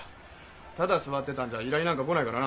ただ座ってたんじゃ依頼なんか来ないからな。